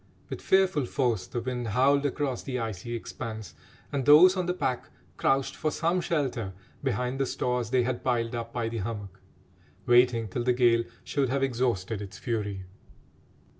With fearful force the wind howled across the icy expanse, and those on the pack crouched for some shelter behind the stores they had piled up by the hummock, waiting till the gale should have exhausted its fury.